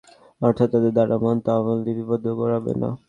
অর্থাৎ তাদের দ্বারা মন্দ আমল লিপিবদ্ধ করাবে না।